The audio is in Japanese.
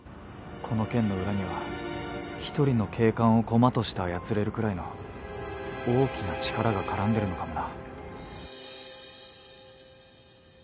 この件の裏には１人の警官を駒として操れるくらいの大きな力が絡んでるのかもな。